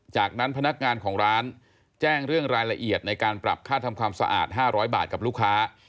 จากนั้นพนักงานของร้านแจ้งเรื่องรายละเอียดในการปรับค่าทำความสะอาด๕๐๐บาทกับลูกค้า